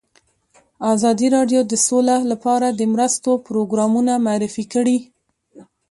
ازادي راډیو د سوله لپاره د مرستو پروګرامونه معرفي کړي.